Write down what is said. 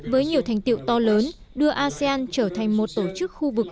với nhiều thành tiệu to lớn đưa asean trở thành một tổ chức khu vực